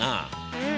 うん。